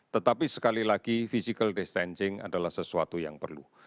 tetapi sekali lagi physical distancing adalah sesuatu yang perlu